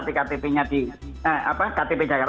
tapi ktp jakarta